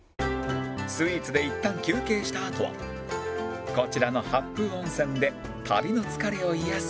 スイーツでいったん休憩したあとはこちらの八風温泉で旅の疲れを癒やす事に